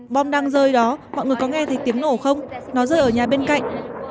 bom đang rơi đó mọi người có nghe thấy tiếng nổ không nó rơi ở nhà bên cạnh